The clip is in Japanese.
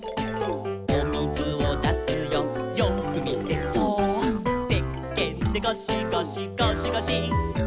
「おみずをだすよよーくみてそーっ」「せっけんでゴシゴシゴシゴシ」